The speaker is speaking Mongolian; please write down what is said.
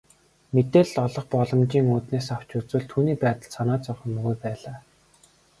Мэдээлэл олох боломжийн үүднээс авч үзвэл түүний байдалд санаа зовох юмгүй байлаа.